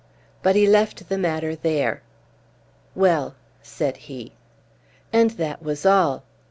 But he left the matter there. "Well!" said he. And that was all!